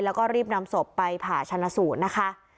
แล้วก็รีบนำศพไปผ่าชนะสูตรนะคะ